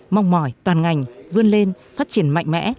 mong mỏi toàn ngành vươn lên phát triển mạnh mẽ